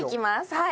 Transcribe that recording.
はい。